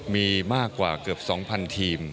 มีมากกว่าเกือบ๒๐๐ทีม